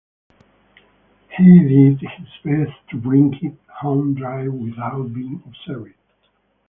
He did his best to bring it home dry without being observed.